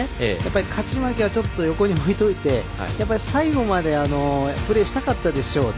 勝ち負けは横に置いといて最後までプレーしたかったでしょうね。